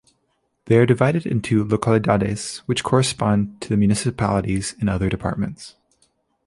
They are divided into "localidades", which correspond to the municipalities in other departments.